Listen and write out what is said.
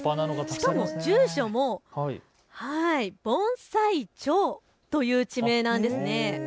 しかも住所も盆栽町という地名なんです。